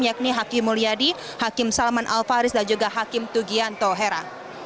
yakni hakim mulyadi hakim salman al faris dan juga hakim tugianto hera